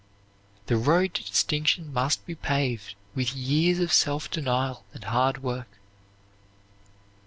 The road to distinction must be paved with years of self denial and hard work.